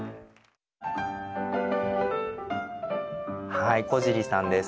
はい小さんです。